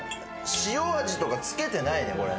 塩味とかつけてないね。